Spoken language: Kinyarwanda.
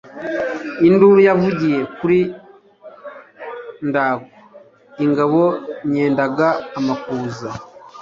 Induru yavuye kuri Ndago ingabo nyendaga amakuza